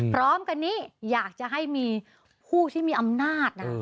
พร้อมกันนี้อยากจะให้มีผู้ที่มีอำนาจนะ